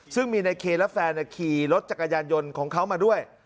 ซึ่งมีในเคและแฟนขี่รถจักรยานยนต์ของเขามาด้วย